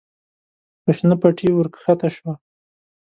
پر شنه پټي ور کښته شوه.